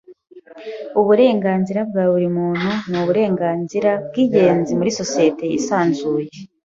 Uburenganzira bwa buri muntu nuburenganzira bwingenzi muri societe yisanzuye.